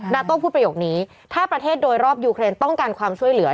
โต้พูดประโยคนี้ถ้าประเทศโดยรอบยูเครนต้องการความช่วยเหลือ